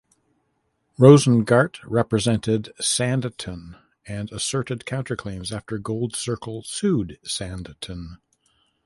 Rosengart represented Sandton and asserted counterclaims after Gold Circle sued Sandton.